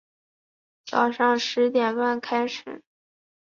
早上十点半开始